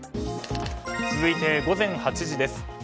続いて午前８時です。